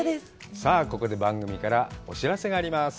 さあ、ここで番組からお知らせがあります。